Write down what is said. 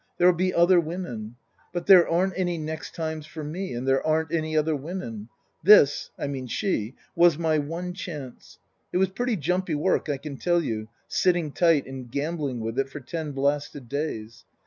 There'll be other women. But there aren't any next times for me, and there aren't any other women. This I mean she was my one chance. It was pretty jumpy work, I can tell you, sitting tight and gambling with it for ten blasted days.